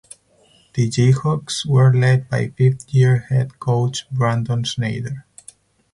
The Jayhawks were led by fifth year head coach Brandon Schneider.